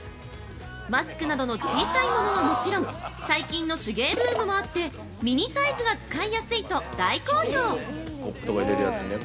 マスクなどの小さいものはもちろん、最近の手芸ブームもあって、ミニサイズが使いやすいと大好評！